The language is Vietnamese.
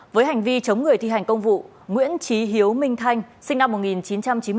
với hành vi chống người thi hành công vụ nguyễn trí hiếu minh thanh sinh năm một nghìn chín trăm chín mươi bốn